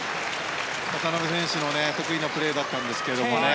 渡辺選手の得意なプレーだったんですけどもね。